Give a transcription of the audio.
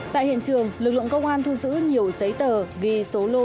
tại hiện trường lực lượng công an thu giữ nhiều giấy tờ